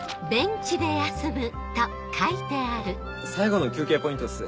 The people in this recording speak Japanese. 最後の休憩ポイントっす。